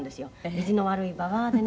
「意地の悪いばばあでね